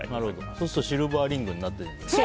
そうするとシルバーリングになっているんですよね。